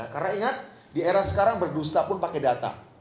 karena ingat di era sekarang berdusta pun pakai data